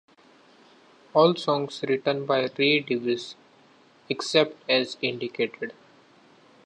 All songs written by Ray Davies, except as indicated.